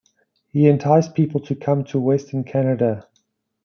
He enticed people to come to western Canada.